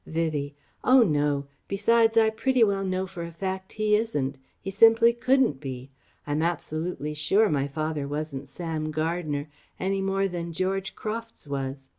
Vivie: "Oh no! Besides I pretty well know for a fact he isn't, he simply couldn't be. I'm absolutely sure my father wasn't Sam Gardner, any more than George Crofts was.